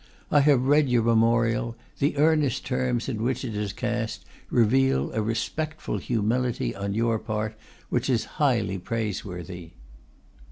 I have read your memorial: the earnest terms in which it is cast reveal a respectful humility on your part, which is highly praiseworthy.